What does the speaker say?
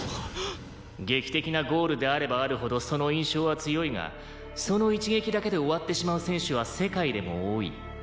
「劇的なゴールであればあるほどその印象は強いがその一撃だけで終わってしまう選手は世界でも多い」